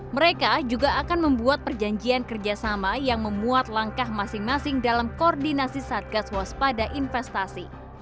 mereka juga akan membuat perjanjian kerjasama yang memuat langkah masing masing dalam koordinasi satgas waspada investasi